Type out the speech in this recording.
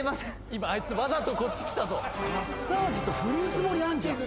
今あいつわざとこっち来たぞあんじゃん